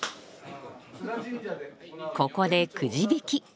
ここでくじ引き。